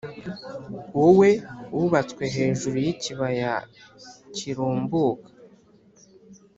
wowe wubatswe hejuru y’ikibaya kirumbuka,